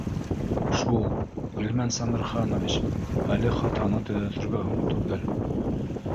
Шул, Ғилман Сәмерханович, әле хатаны төҙәтергә һуң түгел